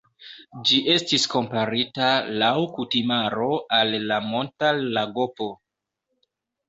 Ĝi estis komparita laŭ kutimaro al la Monta lagopo.